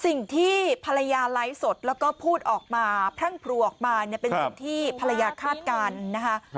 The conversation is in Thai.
สิ่งที่ภรรยาไลฟ์สดแล้วก็พูดออกมาพรั่งพลัวออกมาเนี่ยเป็นสิ่งที่ภรรยาคาดการณ์นะคะ